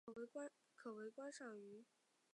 可为观赏鱼。